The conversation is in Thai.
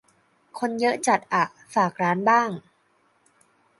คนเยอะจัด อ่ะ "ฝากร้าน" บ้าง